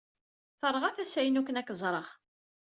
Terɣa tasa-inu akken ad k-ẓreɣ.